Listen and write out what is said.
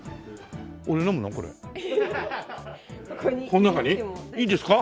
この中に？いいんですか？